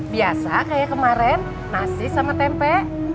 biasa kayak kemarin nasi sama tempe